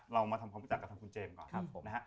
เรามาทำความพูดจากกับคุณเจมส์ก่อนนะฮะ